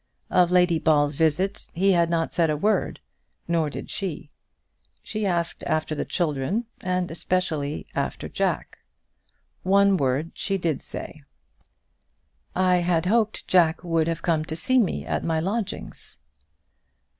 Of Lady Ball's visit he said not a word, nor did she. She asked after the children, and especially after Jack. One word she did say: "I had hoped Jack would have come to see me at my lodgings."